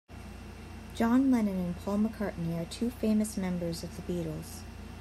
John Lennon and Paul McCartney are two famous members of the Beatles.